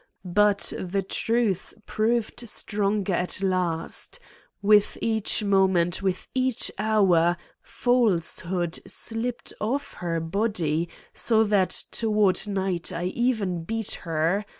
But the truth proved stronger at last. With each moment, with each hour, falsehood slipped off her body, so that, toward night, I even beat her.